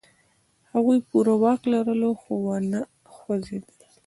هغوی پوره واک لرلو، خو و نه خوځېدل.